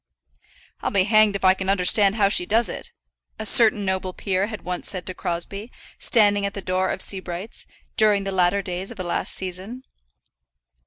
"I'll be hanged if I can understand how she does it," a certain noble peer had once said to Crosbie, standing at the door of Sebright's, during the latter days of the last season.